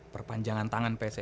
perpanjangan tangan pcsi